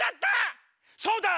そうだ！